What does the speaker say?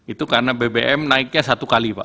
itu karena bbm naiknya satu kali pak